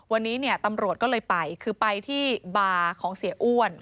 วันนี้เนี่ยตำรวจก็เลยไปคือไปที่บาร์ของเสียอ้วน